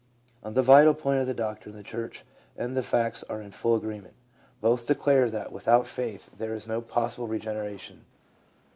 On the vital point of the doctrine the church and the facts are in full agreement: both declare that without faith 362 LEUBA : there is no possible regeneration.